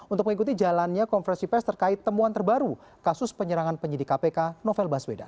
untuk mengikuti jalannya konversi pers terkait temuan terbaru kasus penyerangan penyidik kpk novel baswedan